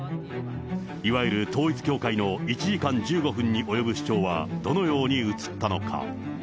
いわゆる統一教会の１時間１５分に及ぶ主張は、どのように映ったのか。